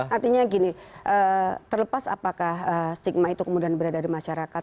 artinya gini terlepas apakah stigma itu kemudian berada di masyarakat